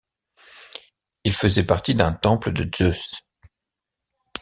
Il faisait partie d'un temple de Zeus.